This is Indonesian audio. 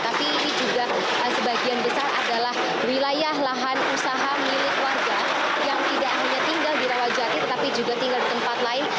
tapi ini juga sebagian besar adalah wilayah lahan usaha milik warga yang tidak hanya tinggal di rawajati tetapi juga tinggal di tempat lain